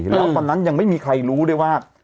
แล้วตอนนั้นยังไม่มีใครรู้ด้วยว่า